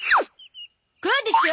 こうでしょ？